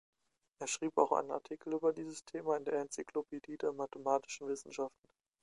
Er schrieb auch einen Artikel über dieses Thema in der Enzyklopädie der mathematischen Wissenschaften.